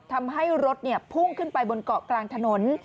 ทำให้รถพุ่งขึ้นไปบนเกาะกลางถนน